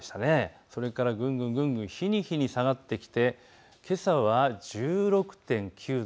それからぐんぐん日に日に下がってきてけさは１６．９度。